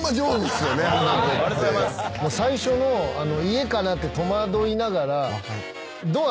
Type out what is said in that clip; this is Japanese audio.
最初の「家かな？」って戸惑いながらドア